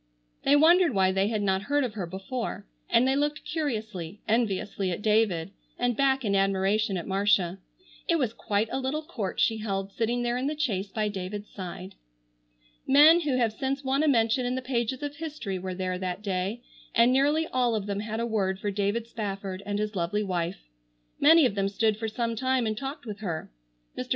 They wondered why they had not heard of her before, and they looked curiously, enviously at David, and back in admiration at Marcia. It was quite a little court she held sitting there in the chaise by David's side. Men who have since won a mention in the pages of history were there that day, and nearly all of them had a word for David Spafford and his lovely wife. Many of them stood for some time and talked with her. Mr.